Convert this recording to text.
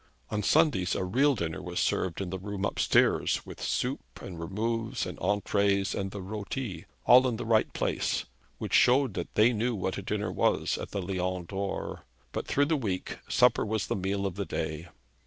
On Sundays a real dinner was served in the room up stairs, with soup, and removes, and entrees and the roti, all in the right place, which showed that they knew what a dinner was at the Lion d'Or; but, throughout the week, supper was the meal of the day.